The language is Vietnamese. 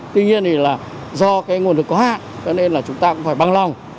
tuy nhiên thì là do cái nguồn lực có hạn cho nên là chúng ta cũng phải băng lòng